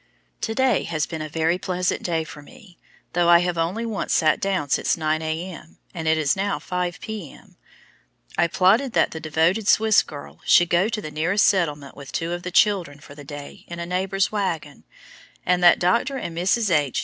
To day has been a very pleasant day for me, though I have only once sat down since 9 A.M., and it is now 5 P.M. I plotted that the devoted Swiss girl should go to the nearest settlement with two of the children for the day in a neighbor's wagon, and that Dr. and Mrs. H.